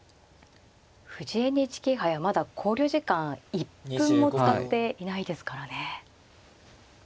藤井ＮＨＫ杯はまだ考慮時間１分も使っていないですからね。